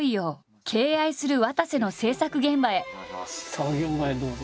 作業場へどうぞ。